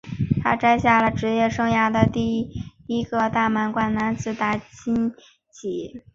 他摘下了职业生涯中的第一个大满贯男子单打锦标。